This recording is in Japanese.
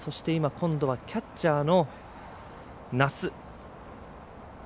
今度は、キャッチャーの奈須。